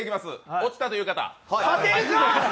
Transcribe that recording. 落ちたという方？